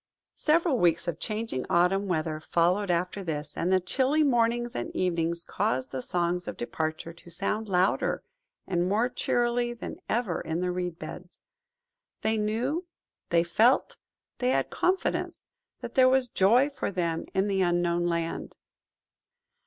Several weeks of changing autumn weather followed after this, and the chilly mornings and evenings caused the songs of departure to sound louder and more cheerily than ever in the reed beds. They knew, they felt, they had confidence, that there was joy for them in the Unknown Land.